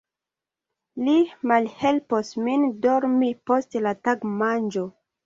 Li malhelpos min dormi post la tagmanĝo.